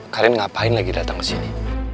kalian ngapain lagi datang kesini